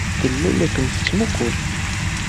Tella la kem-tettmuqqul.